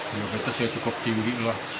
diabetes cukup tinggi